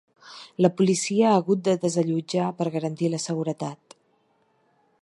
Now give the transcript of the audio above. La policia ha hagut de desallotjar per garantir la seguretat.